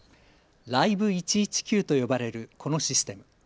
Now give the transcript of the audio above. Ｌｉｖｅ１１９と呼ばれるこのシステム。